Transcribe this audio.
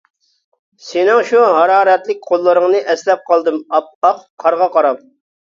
سېنىڭ شۇ ھارارەتلىك قوللىرىڭنى ئەسلەپ قالدىم ئاپئاق قارغا قاراپ!